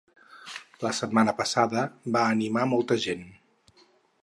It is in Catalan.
La setmana passada va animar molta gent.